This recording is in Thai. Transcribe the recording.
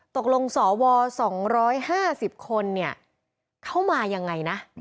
ตกลงสว๒๕๐คนเนี่ยเข้ามายังไงนะ